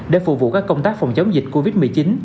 để phục vụ các công tác phòng chống dịch covid một mươi chín